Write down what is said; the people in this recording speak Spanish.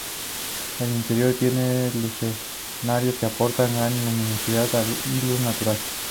El interior tiene lucernarios que aportan gran luminosidad y luz natural.